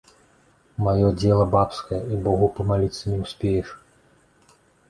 Маё дзела бабскае, і богу памаліцца не ўспееш.